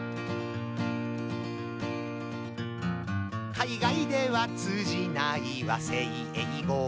「海外では通じない和製英語」